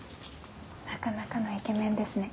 なかなかのイケメンですね